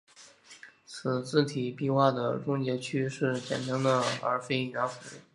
此字体笔画的终结处是扁平的而非圆弧。